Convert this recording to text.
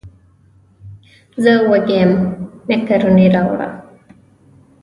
زه وږی یم مېکاروني راکړه.